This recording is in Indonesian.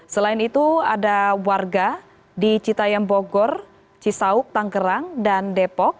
selain itu ada warga di citayam bogor cisauk tanggerang dan depok